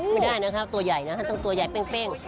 ไม่ได้นะครับตัวใหญ่นะฮะต้องตัวใหญ่เป้ง